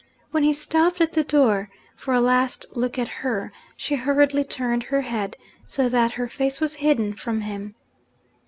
When he stopped at the door for a last look at her, she hurriedly turned her head so that her face was hidden from him.